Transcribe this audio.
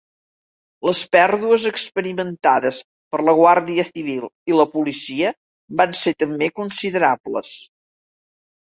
Les pèrdues experimentades per la Guàrdia Civil i la policia van ser també considerables.